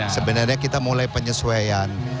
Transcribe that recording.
sebenarnya kita mulai penyesuaian